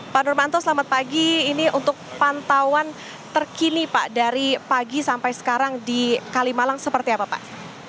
pak nurmanto selamat pagi ini untuk pantauan terkini pak dari pagi sampai sekarang di kalimalang seperti apa pak